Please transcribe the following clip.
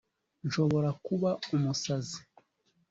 Nshobora kuba umusazi